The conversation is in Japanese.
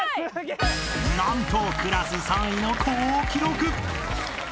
［なんとクラス３位の好記録！］